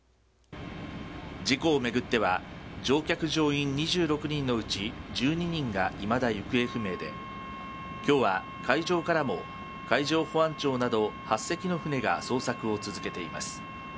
事故をめぐっては乗客乗員２６人のうち１２人がいまだ行方不明で今日は海上からも海上保安庁など８隻の船が捜索を続けています。